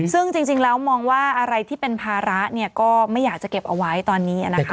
ซึ่งจริงแล้วมองว่าอะไรที่เป็นภาระก็ไม่อยากจะเก็บเอาไว้ตอนนี้นะคะ